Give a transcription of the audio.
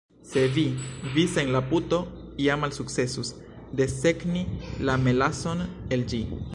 Sed vi, vi sen la puto ja malsukcesus desegni la melason el ĝi!